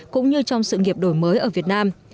cũng như trong sự nghiệp đổi mới ở việt nam